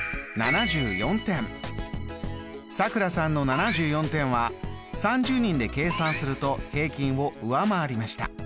さくらさんの７４点は３０人で計算すると平均を上回りました。